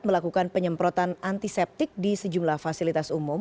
melakukan penyemprotan antiseptik di sejumlah fasilitas umum